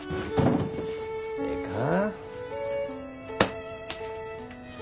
ええか？